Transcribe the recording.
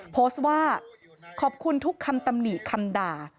โพสต์ว่าขอบคุณทุกคำตำหนิคำด่า